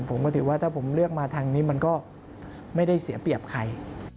ผมก็ถือว่าถ้าผมเลือกมาทางนี้มันก็ไม่ได้เสียเปรียบใคร